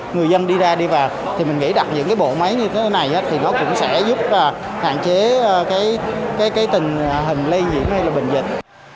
người dân đi ra đi vào thì mình nghĩ đặt những cái bộ máy như thế này thì nó cũng sẽ giúp hạn chế cái tình hình lây nhiễm hay là bệnh dịch